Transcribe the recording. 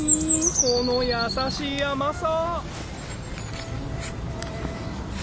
この優しい甘さ！